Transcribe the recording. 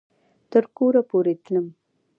تر کوره پورې تلم